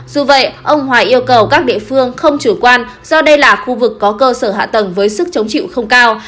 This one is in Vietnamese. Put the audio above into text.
dù vậy ông hoài yêu cầu các địa phương không chủ quan do đây là khu vực có cơ sở hạ tầng với sức chống chịu không cao